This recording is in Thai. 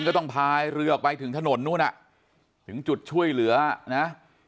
ก็ต้องพายเรือออกไปถึงถนนนู้นอ่ะถึงจุดช่วยเหลือนะ